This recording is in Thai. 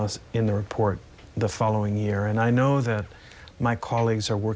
เราไม่สามารถเนื่องจากตัดสินค้าที่แน่นอน